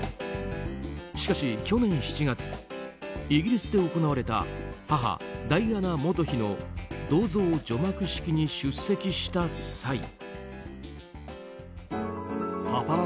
しかし、去年７月イギリスで行われた母ダイアナ元妃の銅像除幕式に出席した際。